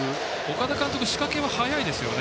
岡田監督仕掛けは早いですよね。